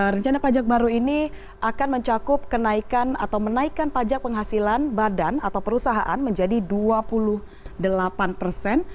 rencana pajak baru ini akan mencakup kenaikan atau menaikkan pajak penghasilan badan atau perusahaan menjadi dua puluh delapan persen